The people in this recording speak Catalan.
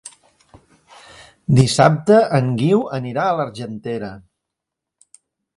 Dissabte en Guiu anirà a l'Argentera.